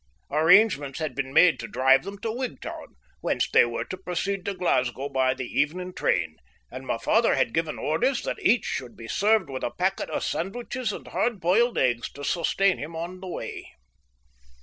Arrangements had been made to drive them to Wigtown, whence they were to proceed to Glasgow by the evening train, and my father had given orders that each should be served with a packet of sandwiches and hard boiled eggs to sustain him on the way.